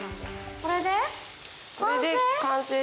これで完成です。